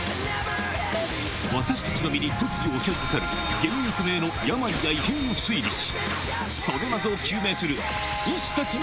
私たちの身に突如襲いかかる原因不明の病や異変を推理し